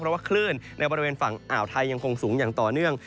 เพราะว่าคลื่นในบริเวณฝั่งอ่าวไทยยังคงสูงอย่างต่อเนื่อง